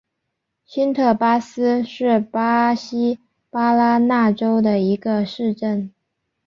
新特巴斯是巴西巴拉那州的一个市镇。